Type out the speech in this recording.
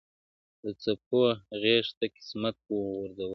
د څپو غېږته قسمت وو غورځولی!.